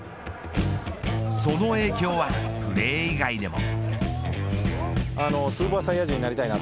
その影響はプレー以外でも。